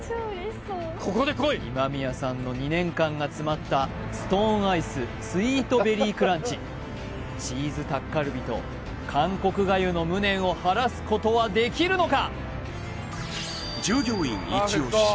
今宮さんの２年間が詰まったストーンアイスＳｗｅｅｔベリークランチチーズタッカルビと韓国粥の無念を晴らすことはできるのか？